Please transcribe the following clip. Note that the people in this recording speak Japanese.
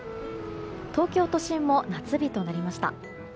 東京都心も夏日となりました。